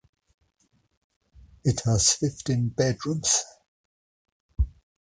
It has fifteen bedrooms.